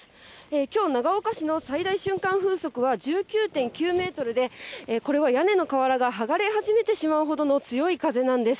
きょう、長岡市の最大瞬間風速は１９．９メートルで、これは屋根の瓦が剥がれ始めてしまうほどの強い風なんです。